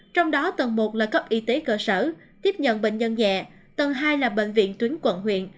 trong đó tầng một là cấp y tế cơ sở tiếp nhận bệnh nhân nhẹ tầng hai là bệnh viện tuyến quận huyện